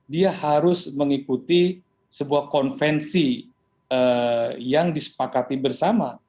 dia harus mengikuti sebuah konvensi yang disepakati bersama